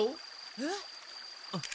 えっ？